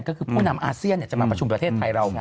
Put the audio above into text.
ก็คือผู้นำอาเซียนจะมาประชุมประเทศไทยเราไง